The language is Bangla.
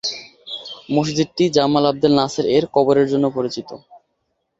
মসজিদটি জামাল আবদেল নাসের এর কবরের জন্য পরিচিত।